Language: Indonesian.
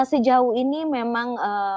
dan sejauh ini memang